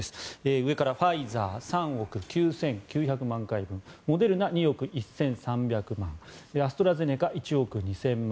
上からファイザー、３億９９００万回分モデルナ、２億１３００万アストラゼネカ１億２０００万